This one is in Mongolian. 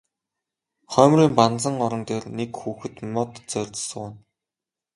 Хоймрын банзан орон дээр нэг хүүхэд мод зорьж сууна.